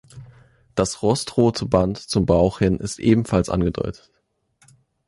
Das rostrote Band zum Bauch hin ist allenfalls angedeutet.